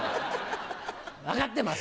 分かってます。